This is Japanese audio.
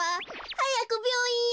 はやくびょういんへ。